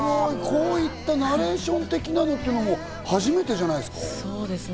こういったナレーション的なのっていうのは初めてじゃないですか？